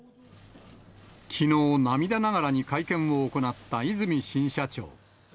きのう、涙ながらに会見を行った和泉新社長。